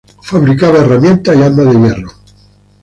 Fabricaban herramientas y armas de hierro.